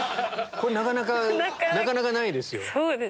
これなかなかないですよ。